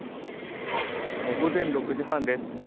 午前６時半です。